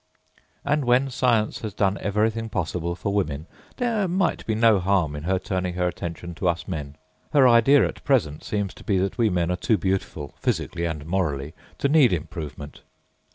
â And, when Science has done everything possible for women, there might be no harm in her turning her attention to us men. Her idea at present seems to be that we men are too beautiful, physically and morally, to need improvement.